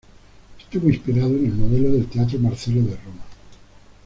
Estuvo inspirado en el modelo del Teatro Marcelo de Roma.